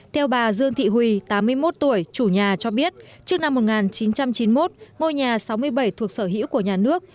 theo bà dương thị huy tám mươi một tuổi chủ nhà cho biết trước năm một nghìn chín trăm chín mươi một ngôi nhà sáu mươi bảy thuộc sở hữu của nhà nước